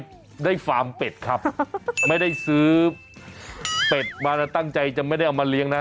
ได้ฟาร์มเป็ดครับไม่ได้ซื้อเป็ดมานะตั้งใจจะไม่ได้เอามาเลี้ยงนะ